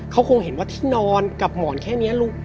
เขาคงเห็นว่าที่นอนกับหมอนแค่นี้